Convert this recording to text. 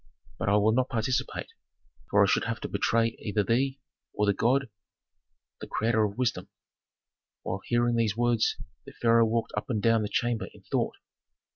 But I will not participate, for I should have to betray either thee, or the God, the creator of wisdom." While hearing these words the pharaoh walked up and down the chamber in thought.